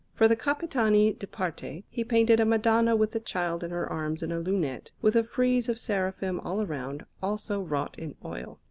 For the Capitani di Parte he painted a Madonna with the Child in her arms in a lunette, with a frieze of seraphim all round, also wrought in oil.